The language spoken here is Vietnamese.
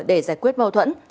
để giải quyết mâu thuẫn